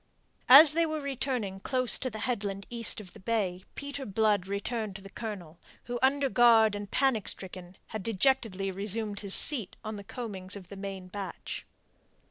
As they were running close to the headland east of the bay, Peter Blood returned to the Colonel, who, under guard and panic stricken, had dejectedly resumed his seat on the coamings of the main batch.